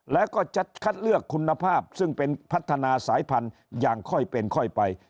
แล้วก็จะคัดเลือกคุณภาพซึ่งเป็นพัฒนาสายพันธุ์อย่างค่อยเป็นค่อยไป